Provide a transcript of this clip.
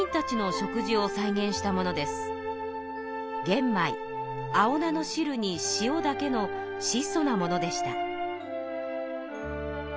げん米青菜のしるに塩だけの質素なものでした。